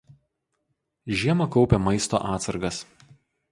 Žiemą kaupia maisto atsargas.